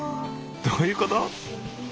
どういうこと？